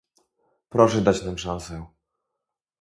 Proszę dać nam szansę